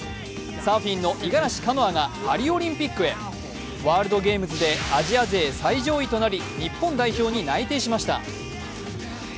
サーフィンの五十嵐カノアがパリオリンピックへ、ワールドゲームズでアジア勢最上位となり日本代表に内定しました。